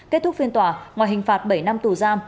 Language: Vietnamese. kết thúc phiên tòa ngoài hình phạt bảy năm tù giam